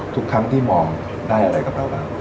ทุกครั้งที่มองได้อะไรก็เปล่านะ